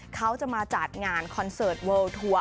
เขาจะมาจัดงานคอนเสิร์ตเวิลทัวร์